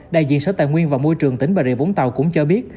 đại diện sở tài nguyên và môi trường tỉnh bà rịa vũng tàu cũng cho biết